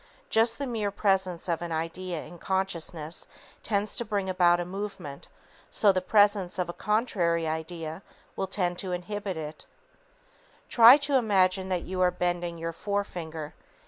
Just as the mere presence of an idea in consciousness tends to bring about a movement, so the presence of a contrary idea will tend to inhibit it. Try to imagine that you are bending your forefinger.